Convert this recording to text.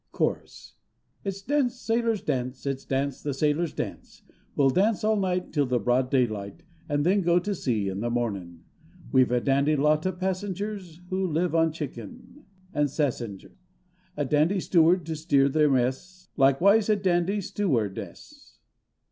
_ It's dance, sailors, dance! It's dance, the sailors, dance! We'll dance all night till the broad daylight, And then go to sea in the mornin'! We've a dandy lot Of passengers, Who live on chicken And sassengers; A dandy steward To steer their mess; Likewise a dandy— Stew—ard—ess!